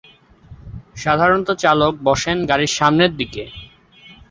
সাধারণত চালক বসেন গাড়ির সামনের দিকে।